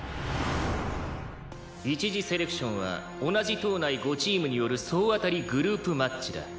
「一次セレクションは同じ棟内５チームによる総当たりグループマッチだ」